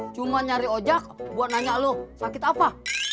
cuma nyari ojak buat nanya lo sakit apa